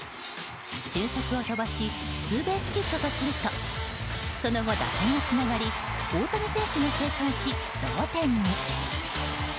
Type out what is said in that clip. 俊足を飛ばしツーベースヒットとするとその後、打線がつながり大谷選手が生還し、同点に。